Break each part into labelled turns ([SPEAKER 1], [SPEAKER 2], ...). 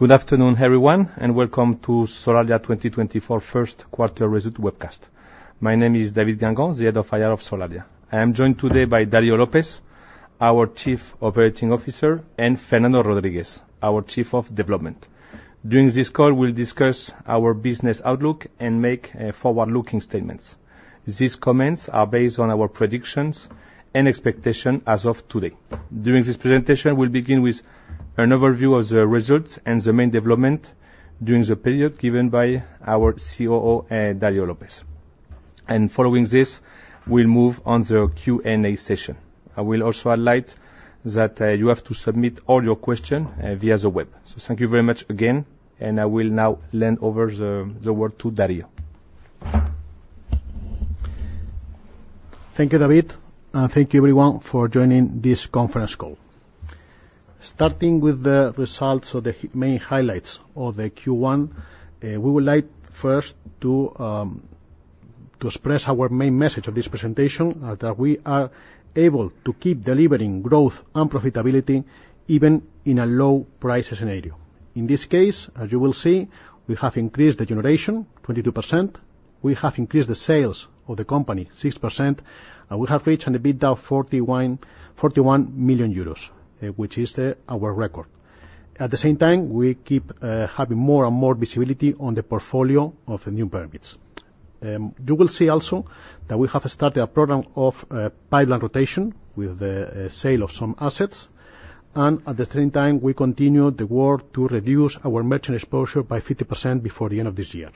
[SPEAKER 1] Good afternoon, everyone, and welcome to Solaria 2024 first quarter result webcast. My name is David Guengant, the head of IR of Solaria. I am joined today by Dario López, our Chief Operating Officer, and Fernando Rodríguez, our Chief of Development. During this call, we'll discuss our business outlook and make forward-looking statements. These comments are based on our predictions and expectation as of today. During this presentation, we'll begin with an overview of the results and the main development during the period given by our COO, Dario López. Following this, we'll move on the Q&A session. I will also highlight that you have to submit all your question via the web. So thank you very much again, and I will now hand over the word to Dario.
[SPEAKER 2] Thank you, David, and thank you everyone for joining this conference call. Starting with the results of the main highlights of the Q1, we would like first to express our main message of this presentation, that we are able to keep delivering growth and profitability even in a low price scenario. In this case, as you will see, we have increased the generation 22%, we have increased the sales of the company 6%, and we have reached an EBITDA 41 million euros, which is, our record. At the same time, we keep having more and more visibility on the portfolio of the new permits. You will see also that we have started a program of pipeline rotation with the sale of some assets, and at the same time, we continue the work to reduce our merchant exposure by 50% before the end of this year.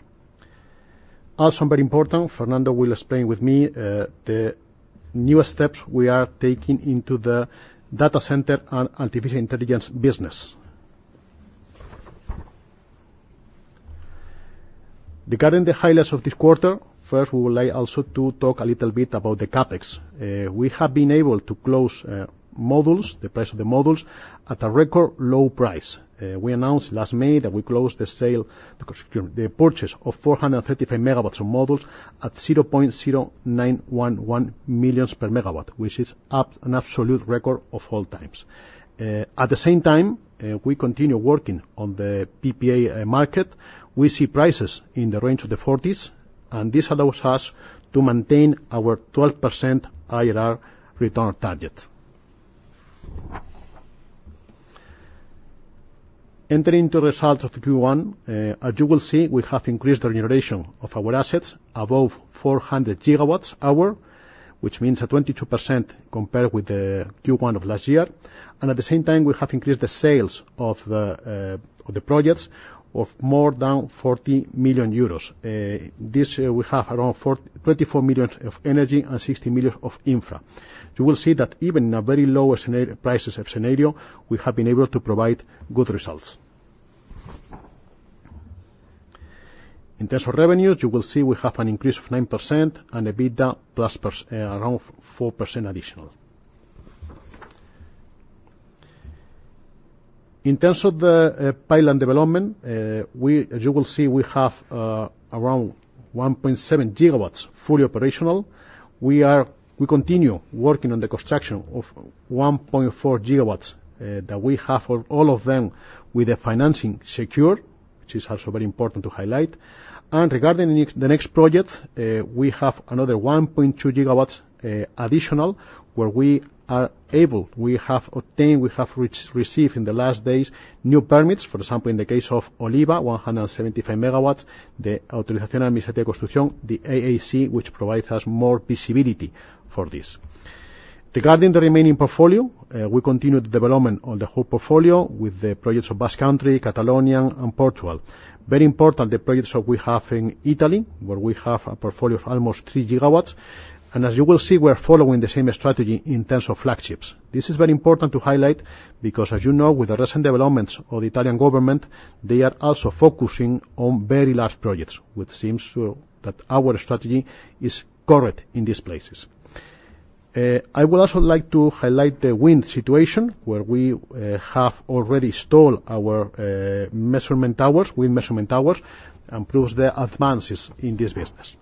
[SPEAKER 2] Also, very important, Fernando will explain with me the new steps we are taking into the data center and artificial intelligence business. Regarding the highlights of this quarter, first, we would like also to talk a little bit about the CapEx. We have been able to close modules, the price of the modules, at a record low price. We announced last May that we closed the sale, the procurement - the purchase of 435 MW of modules at 0.0911 million per MW, which is an absolute record of all times. At the same time, we continue working on the PPA market. We see prices in the range of the forties, and this allows us to maintain our 12% IRR return target. Entering the results of the Q1, as you will see, we have increased the generation of our assets above 400 GWh, which means a 22% compared with the Q1 of last year. And at the same time, we have increased the sales of the projects of more than 40 million euros. This year, we have around 24 million of energy and 60 million of infra. You will see that even in a very low scenario prices, we have been able to provide good results. In terms of revenues, you will see we have an increase of 9% and EBITDA plus around 4% additional. In terms of the pipeline development, we, as you will see, we have around 1.7 GW fully operational. We continue working on the construction of 1.4 GW that we have all of them with financing secured, which is also very important to highlight. And regarding the next, the next project, we have another 1.2 GW additional, where we are able. We have obtained, we have received in the last days, new permits. For example, in the case of Oliva, 175 MW, the Autorización Administrativa de Construcción, the AAC, which provides us more visibility for this. Regarding the remaining portfolio, we continue the development on the whole portfolio with the projects of Basque Country, Catalonia, and Portugal. Very important, the projects that we have in Italy, where we have a portfolio of almost 3 gigawatts. And as you will see, we're following the same strategy in terms of flagships. This is very important to highlight, because, as you know, with the recent developments of the Italian government, they are also focusing on very large projects, which seems to that our strategy is correct in these places. I would also like to highlight the wind situation, where we have already installed our measurement towers, wind measurement towers, and proves the advances in this business.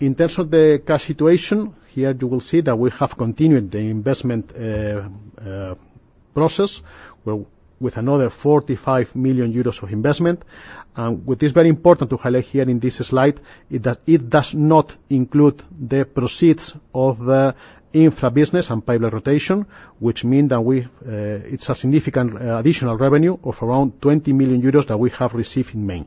[SPEAKER 2] In terms of the cash situation, here you will see that we have continued the investment process with another 45 million euros of investment. What is very important to highlight here in this slide is that it does not include the proceeds of the infra business and pipeline rotation, which mean that we, it's a significant, additional revenue of around 20 million euros that we have received in May.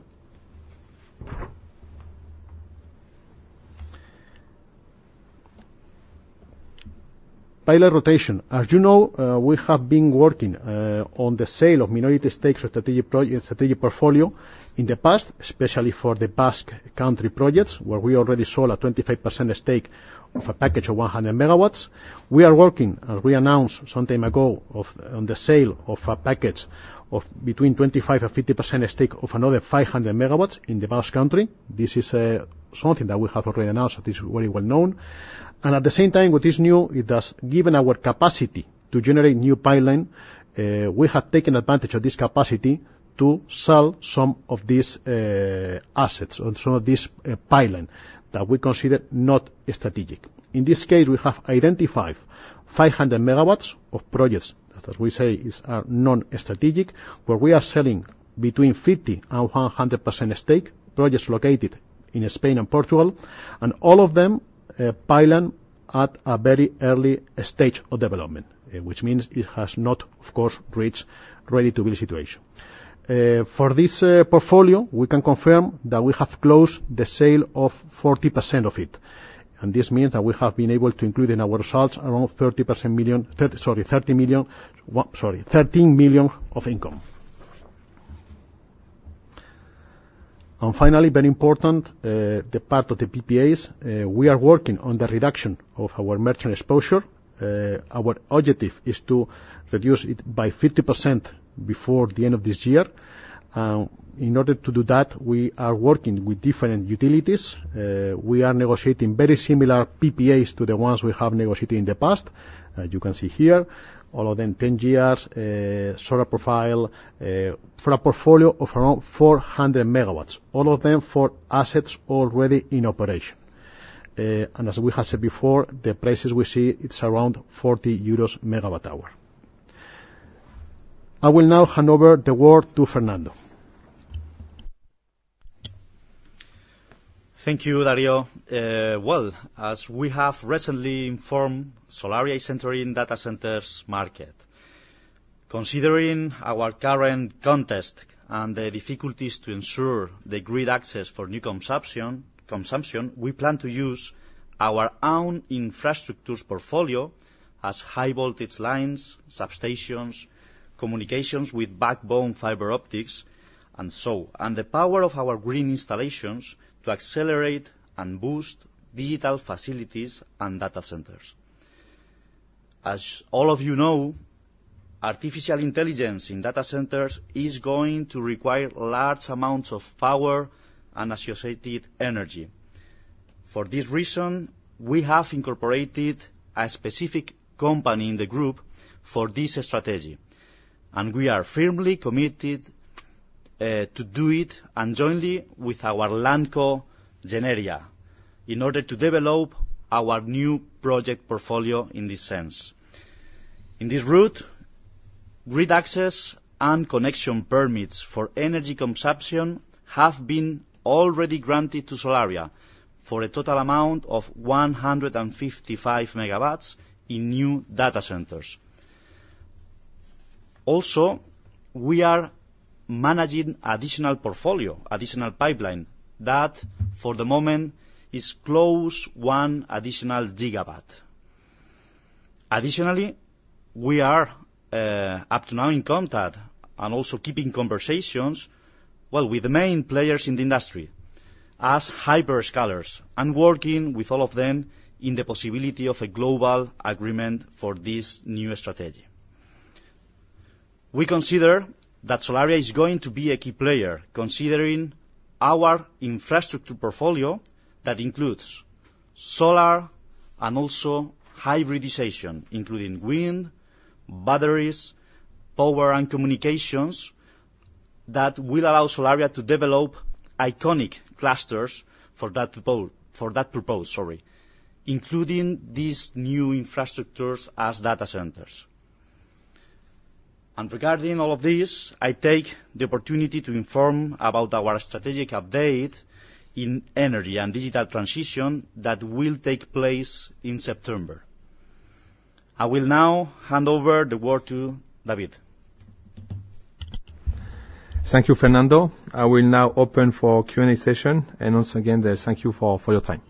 [SPEAKER 2] Pipeline rotation. As you know, we have been working on the sale of minority stakes strategic portfolio in the past, especially for the Basque Country projects, where we already sold a 25% stake of a package of 100 MW. We are working, as we announced some time ago, on the sale of a package of between 25%-50% stake of another 500 MW in the Basque Country. This is something that we have already announced, it is very well known. At the same time, what is new, it has given our capacity to generate new pipeline. We have taken advantage of this capacity to sell some of these assets, and some of this pipeline that we consider not strategic. In this case, we have identified 500 MW of projects, as we say, are non-strategic, where we are selling between 50% and 100% stake, projects located in Spain and Portugal, and all of them pipeline at a very early stage of development, which means it has not, of course, reached ready-to-build situation. For this portfolio, we can confirm that we have closed the sale of 40% of it, and this means that we have been able to include in our results around 30 percent million, 30, sorry, 30 million, well, sorry, 13 million of income. Finally, very important, the part of the PPAs. We are working on the reduction of our merchant exposure. Our objective is to reduce it by 50% before the end of this year. In order to do that, we are working with different utilities. We are negotiating very similar PPAs to the ones we have negotiated in the past. You can see here, all of them 10 years, solar profile, for a portfolio of around 400 MW, all of them for assets already in operation. And as we have said before, the prices we see, it's around 40 EUR/MWh. I will now hand over the word to Fernando.
[SPEAKER 3] Thank you, Dario. Well, as we have recently informed, Solaria is entering data centers market. Considering our current context and the difficulties to ensure the grid access for new consumption, we plan to use our own infrastructures portfolio as high-voltage lines, substations, communications with backbone fiber optics, and so on, and the power of our green installations to accelerate and boost digital facilities and data centers. As all of you know, artificial intelligence in data centers is going to require large amounts of power and associated energy. For this reason, we have incorporated a specific company in the group for this strategy, and we are firmly committed to do it, and jointly with our LandCo, Generia, in order to develop our new project portfolio in this sense. In this route, grid access and connection permits for energy consumption have been already granted to Solaria for a total amount of 155 MW in new data centers. Also, we are managing additional portfolio, additional pipeline, that, for the moment, is close 1 additional GW. Additionally, we are up to now in contact, and also keeping conversations, well, with the main players in the industry as hyperscalers, and working with all of them in the possibility of a global agreement for this new strategy. We consider that Solaria is going to be a key player, considering our infrastructure portfolio that includes solar and also hybridization, including wind, batteries, power, and communications, that will allow Solaria to develop iconic clusters for that purpose, sorry, including these new infrastructures as data centers. Regarding all of this, I take the opportunity to inform about our strategic update in energy and digital transition that will take place in September. I will now hand over the word to David.
[SPEAKER 1] Thank you, Fernando. I will now open for Q&A session, and once again, thank you for your time.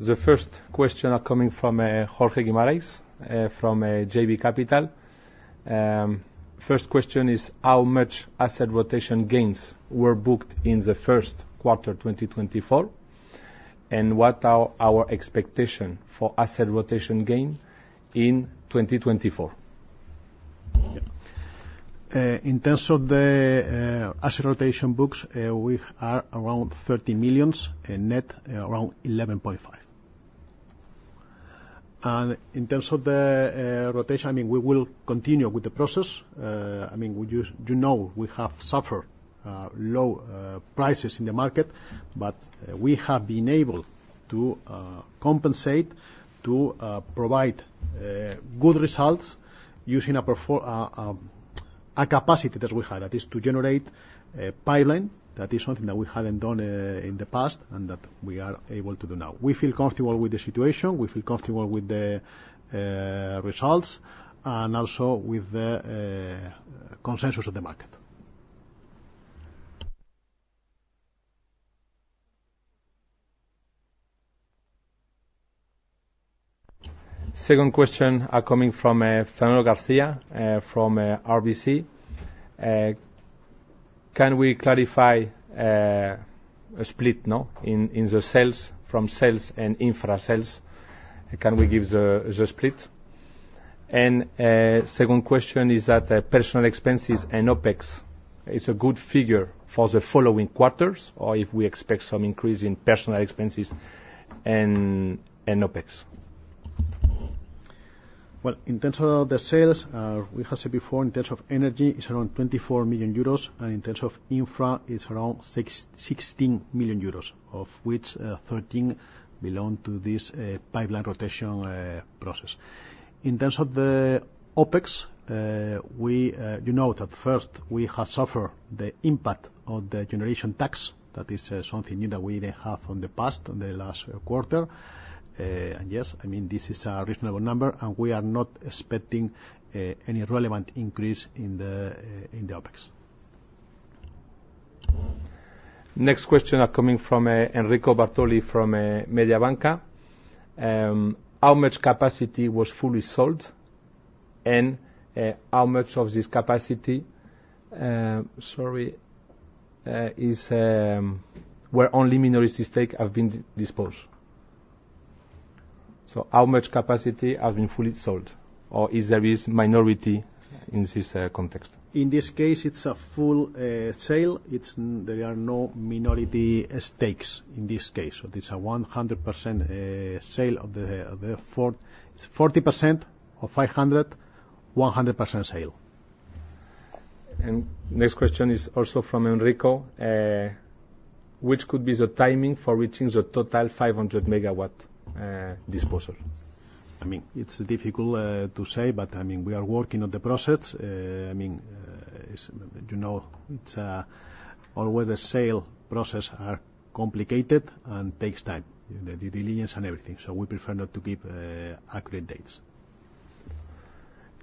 [SPEAKER 1] The first question are coming from, Jorge Guimarães, from, JB Capital. First question is: How much asset rotation gains were booked in the first quarter, 2024? And what are our expectation for asset rotation gain in 2024?
[SPEAKER 2] In terms of the asset rotation books, we are around 30 million, and net, around 11.5 million. In terms of the rotation, I mean, we will continue with the process. I mean, we just... You know, we have suffered low prices in the market, but we have been able to compensate to provide good results using a perform-- a capacity that we have. That is, to generate a pipeline. That is something that we hadn't done in the past, and that we are able to do now. We feel comfortable with the situation, we feel comfortable with the results, and also with the consensus of the market.
[SPEAKER 1] Second question are coming from, Fernando García, from, RBC. Can we clarify, a split, no, in, in the sales, from sales and infra sales? Can we give the, the split? And, second question is that, personal expenses and OpEx is a good figure for the following quarters, or if we expect some increase in personal expenses and, and OpEx.
[SPEAKER 2] Well, in terms of the sales, we have said before, in terms of energy, it's around 24 million euros, and in terms of infra, it's around 16 million euros, of which, 13 belong to this, pipeline rotation, process. In terms of the OpEx, we... You know that first we have suffered the impact of the generation tax. That is, something new that we didn't have in the past, in the last quarter. And yes, I mean, this is a reasonable number, and we are not expecting, any relevant increase in the, in the OpEx.
[SPEAKER 1] Next question are coming from, Enrico Bartoli from, Mediobanca. How much capacity was fully sold, and, how much of this capacity, sorry, is, where only minority stake have been disposed? So how much capacity has been fully sold, or is there is minority in this, context?
[SPEAKER 2] In this case, it's a full sale. There are no minority stakes in this case. So it's a 100% sale of the forty. It's 40% of 500, 100% sale.
[SPEAKER 1] Next question is also from Enrico. Which could be the timing for reaching the total 500 MW disposal?
[SPEAKER 2] I mean, it's difficult to say, but I mean, we are working on the process. I mean, it's, you know, it's... always the sale process are complicated and takes time, the due diligence and everything, so we prefer not to give accurate dates.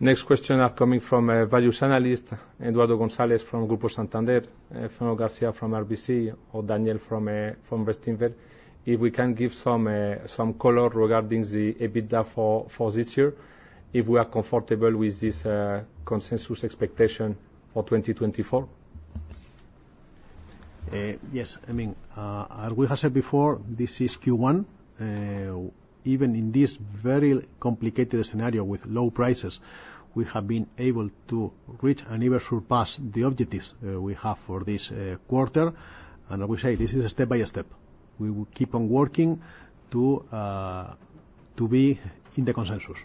[SPEAKER 1] Next question are coming from values analyst Eduardo González from Grupo Santander, Fernando García from RBC, or Daniel from Bestinver. If we can give some color regarding the EBITDA for this year, if we are comfortable with this consensus expectation for 2024.
[SPEAKER 2] Yes. I mean, as we have said before, this is Q1. Even in this very complicated scenario with low prices, we have been able to reach and even surpass the objectives we have for this quarter. I will say, this is step by step. We will keep on working to be in the consensus.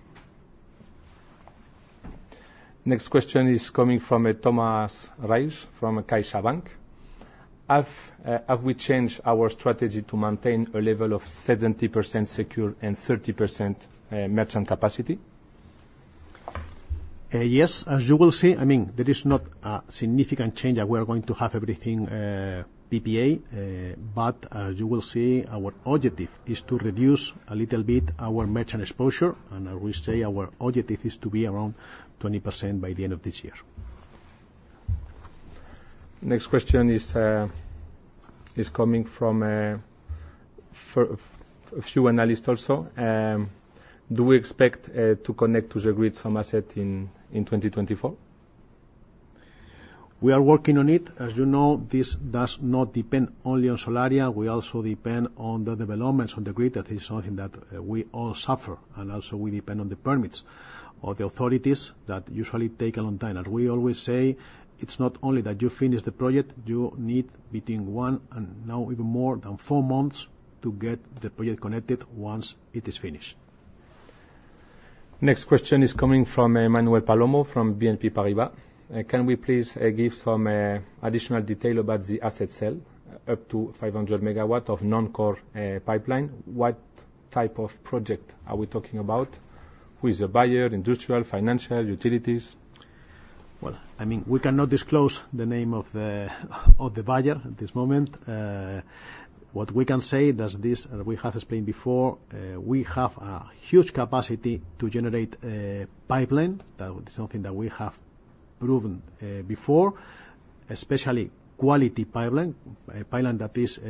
[SPEAKER 1] Next question is coming from Tomás Reis from CaixaBank. Have we changed our strategy to maintain a level of 70% secure and 30% merchant capacity?
[SPEAKER 2] Yes, as you will see, I mean, there is not a significant change, that we are going to have everything, PPA. But as you will see, our objective is to reduce a little bit our merchant exposure, and I will say our objective is to be around 20% by the end of this year.
[SPEAKER 1] Next question is coming from a few analysts also. Do we expect to connect to the grid some asset in 2024?
[SPEAKER 2] We are working on it. As you know, this does not depend only on Solaria. We also depend on the developments on the grid. That is something that we all suffer, and also we depend on the permits of the authorities that usually take a long time. As we always say, it's not only that you finish the project, you need between 1, and now even more than 4 months, to get the project connected once it is finished.
[SPEAKER 1] Next question is coming from, Manuel Palomo from BNP Paribas. Can we please, give some, additional detail about the asset sale, up to 500 MW of non-core pipeline? What type of project are we talking about? Who is the buyer: industrial, financial, utilities?
[SPEAKER 2] Well, I mean, we cannot disclose the name of the, of the buyer at this moment. What we can say is this, and we have explained before, we have a huge capacity to generate a pipeline. That is something that we have proven, before, especially quality pipeline, a pipeline that is,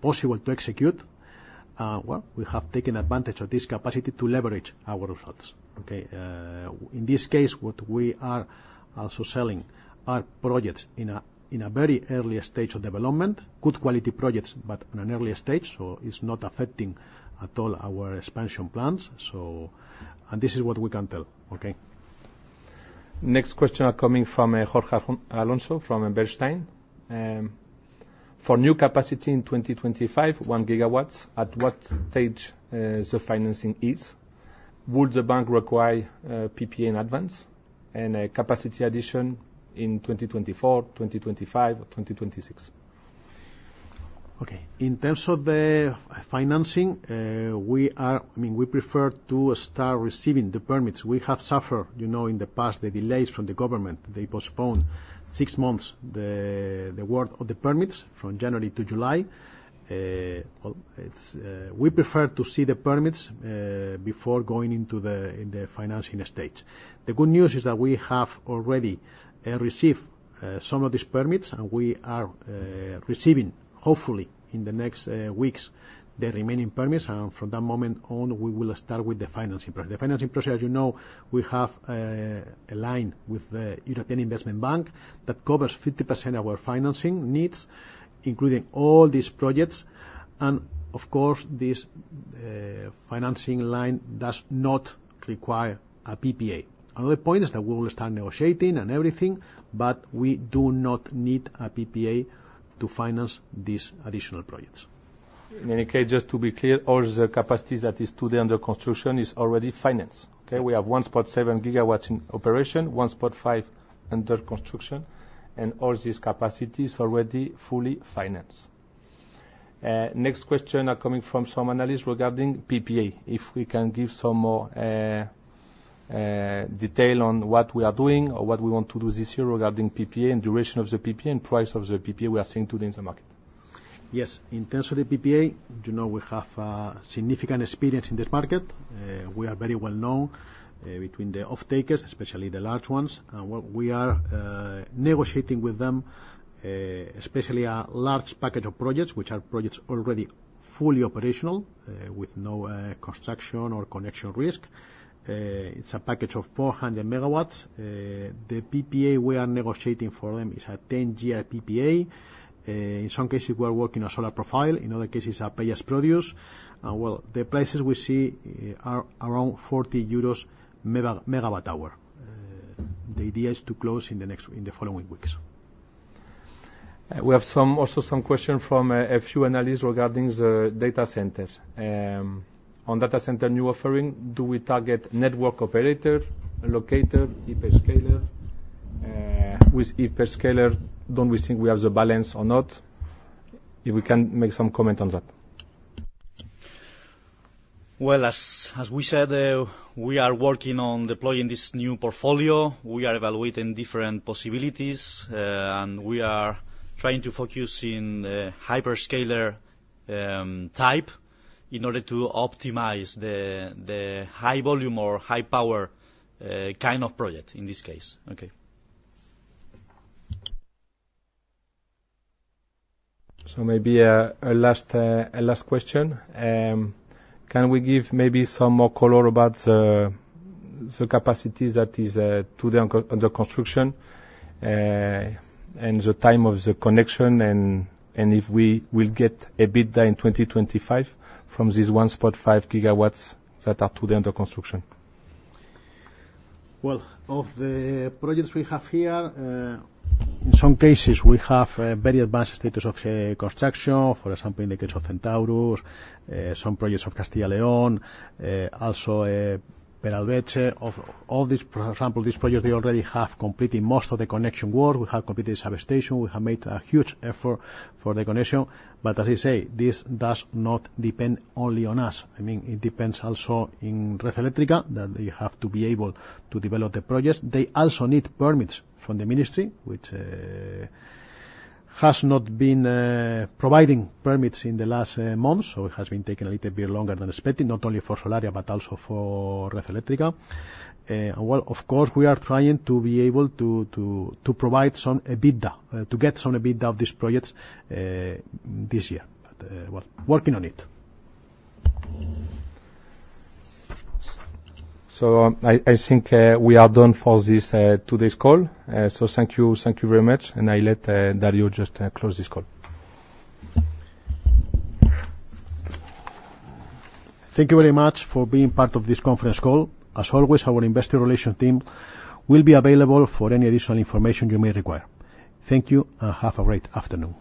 [SPEAKER 2] possible to execute. Well, we have taken advantage of this capacity to leverage our results, okay? In this case, what we are also selling are projects in a, in a very early stage of development. Good quality projects, but in an early stage, so it's not affecting at all our expansion plans. So - and this is what we can tell, okay?
[SPEAKER 1] Next question are coming from, Jorge Alonso from Bernstein. For new capacity in 2025, 1 GW, at what stage, the financing is? Would the bank require, PPA in advance and a capacity addition in 2024, 2025, or 2026?
[SPEAKER 2] Okay. In terms of the financing, I mean, we prefer to start receiving the permits. We have suffered, you know, in the past, the delays from the government. They postponed 6 months the work of the permits from January to July. It's. We prefer to see the permits before going into the financing stage. The good news is that we have already received some of these permits, and we are receiving, hopefully, in the next weeks, the remaining permits, and from that moment on, we will start with the financing project. The financing project, as you know, we have a line with the European Investment Bank that covers 50% of our financing needs, including all these projects. And, of course, this financing line does not require a PPA. Another point is that we will start negotiating and everything, but we do not need a PPA to finance these additional projects.
[SPEAKER 1] In any case, just to be clear, all the capacities that is today under construction is already financed, okay? We have 1.7 gigawatts in operation, 1.5 under construction, and all these capacities already fully financed. Next question are coming from some analysts regarding PPA. If we can give some more detail on what we are doing or what we want to do this year regarding PPA, and duration of the PPA, and price of the PPA we are seeing today in the market.
[SPEAKER 2] Yes, in terms of the PPA, you know, we have significant experience in this market. We are very well known between the off-takers, especially the large ones. Well, we are negotiating with them, especially a large package of projects, which are projects already fully operational, with no construction or connection risk. It's a package of 400 MW. The PPA we are negotiating for them is a 10-year PPA. In some cases, we are working on solar profile, in other cases, a pay-as-produced. Well, the prices we see are around 40 EUR/MWh. The idea is to close in the following weeks.
[SPEAKER 1] We have some, also some question from a few analysts regarding the data centers. On data center new offering, do we target network operator, locator, hyperscaler? With hyperscaler, don't we think we have the balance or not? If we can make some comment on that.
[SPEAKER 2] Well, as we said, we are working on deploying this new portfolio. We are evaluating different possibilities, and we are trying to focus in the hyperscaler type in order to optimize the high volume or high power kind of project in this case. Okay.
[SPEAKER 1] So maybe a last question. Can we give maybe some more color about the capacity that is today under construction, and the time of the connection, and if we will get EBITDA in 2025 from this 1.5 gigawatts that are today under construction?
[SPEAKER 2] Well, of the projects we have here, in some cases, we have very advanced status of construction. For example, in the case of Centaurus, some projects of Castilla y León, also Peralveche. Of these, for example, these projects, they already have completed most of the connection work. We have completed the substation. We have made a huge effort for the connection, but as I say, this does not depend only on us. I mean, it depends also in Red Eléctrica, that they have to be able to develop the projects. They also need permits from the ministry, which has not been providing permits in the last months, so it has been taking a little bit longer than expected, not only for Solaria, but also for Red Eléctrica. Well, of course, we are trying to be able to provide some EBITDA to get some EBITDA of these projects this year. But, well, working on it.
[SPEAKER 1] So I think we are done for this today's call. So thank you, thank you very much, and I let Dario just close this call.
[SPEAKER 2] Thank you very much for being part of this conference call. As always, our investor relation team will be available for any additional information you may require. Thank you, and have a great afternoon.